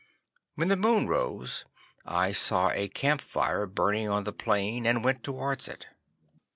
'When the moon rose I saw a camp fire burning on the plain, and went towards it.